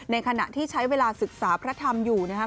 ขณะที่ใช้เวลาศึกษาพระธรรมอยู่นะครับ